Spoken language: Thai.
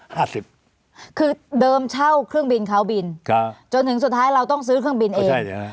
คือเดิมเช่าเครื่องบินขาวบินจนถึงสุดท้ายเราต้องซื้อเครื่องบินเอง